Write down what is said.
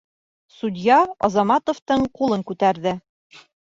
Судья Азаматовтың ҡулын күтәрҙе